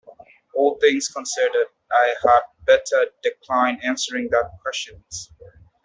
All things considered, I had better decline answering that question.